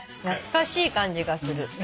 懐かしい感じがする。